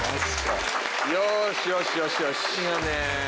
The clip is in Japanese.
よしよしよしよし。